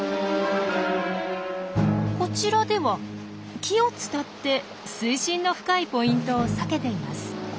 こちらでは木を伝って水深の深いポイントを避けています。